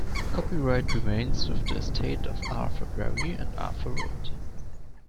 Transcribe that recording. Copyright remains with the estate of Arthur Berry and Arthur Wood.